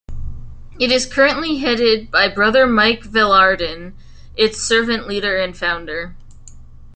It is currently headed by Brother Mike Velarde, its servant leader and founder.